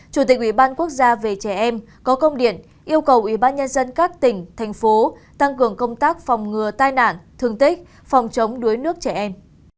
chủ tịch ủy ban quốc gia về trẻ em có công điện yêu cầu ủy ban nhân dân các tỉnh thành phố tăng cường công tác phòng ngừa tai nạn thương tích phòng chống đuối nước trẻ em